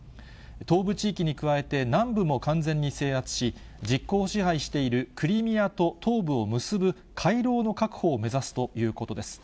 東部地域に加えて、南部も完全に制圧し、実効支配しているクリミアと東部を結ぶ回廊の確保を目指すということです。